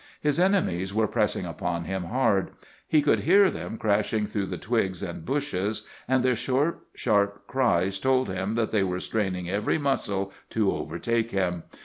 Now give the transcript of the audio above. His enemies were pressing him hard. He could hear them crashing through the twigs and bushes, and their short, sharp cries told him that they were straining every muscle to overtake him.